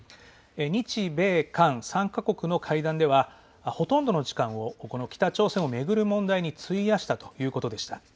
日米韓３か国の会談ではほとんどの時間を北朝鮮を巡る問題に費やしたということでした。